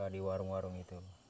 di warung warung itu